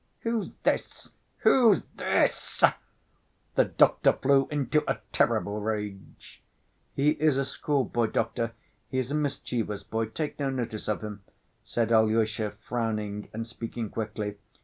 "Who's this? Who's this?" The doctor flew into a terrible rage. "He is a schoolboy, doctor, he is a mischievous boy; take no notice of him," said Alyosha, frowning and speaking quickly.